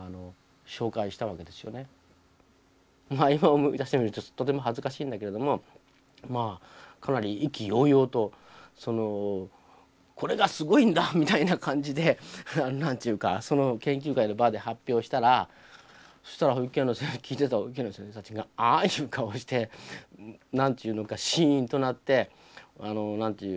今思い出してみるととても恥ずかしいんだけれどもかなり意気揚々と「これがすごいんだ」みたいな感じで何て言うかその研究会の場で発表したらそしたら聞いてた保育園の先生たちが「あ？」いう顔して何て言うのかシンとなって。